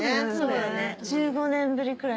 １５年ぶりくらい？